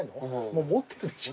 もう持ってるでしょ。